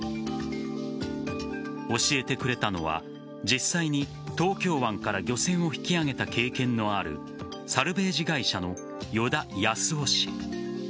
教えてくれたのは実際に東京湾から漁船を引き揚げた経験のあるサルベージ会社の依田康男氏。